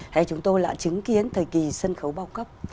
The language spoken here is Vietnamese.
thế chúng tôi là chứng kiến thời kỳ sân khấu bao cấp